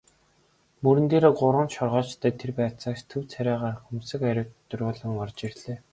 Мөрөн дээрээ гурван шоргоолжтой тэр байцаагч төв царайгаар хөмсөг атируулан орж ирлээ.